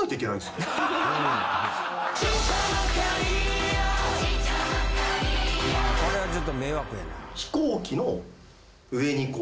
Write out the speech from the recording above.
いやこれはちょっと迷惑やな。